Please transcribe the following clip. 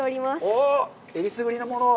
おっ、えりすぐりのものを！